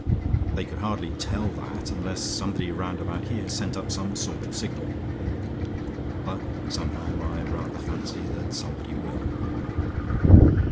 They could hardly tell that unless somebody round about here sent up some sort of signal. But, somehow, I rather fancy that somebody will."